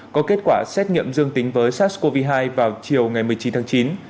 có kết quả xét nghiệm dương tính với sars cov hai vào chiều ngày một mươi chín tháng chín